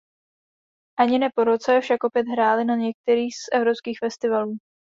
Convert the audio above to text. Ani ne po roce však opět hráli na některých z evropských festivalů.